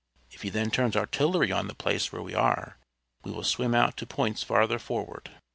If he then turns artillery on the place where we are, we will swim out to points farther forward."